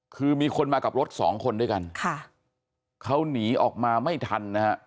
คือมีคนมากับรถสองคนด้วยกันค่ะเขาหนีออกมาไม่ทันนะฮะ